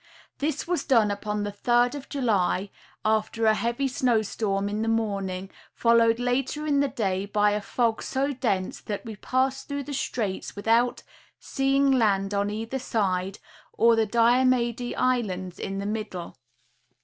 This was done upon the 3d of July, after a heavy snow storm in the morning, followed, later in the day, by a fog so dense that we passed through the straits without seemg land on either side, or the Diomede islands, in the middle.